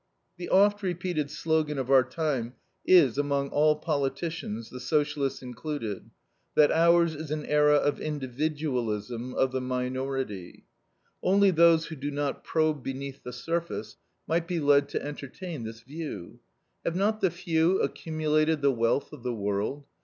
The oft repeated slogan of our time is, among all politicians, the Socialists included, that ours is an era of individualism, of the minority. Only those who do not probe beneath the surface might be led to entertain this view. Have not the few accumulated the wealth of the world?